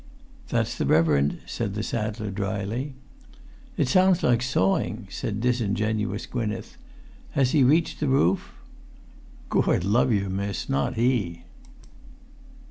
"That's the reverend," said the saddler, dryly. "It sounds like sawing," said disingenuous Gwynneth. "Has he reached the roof?" "Gord love yer, miss, not he!"